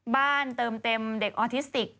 บ้านเติมเด็กอออติสติก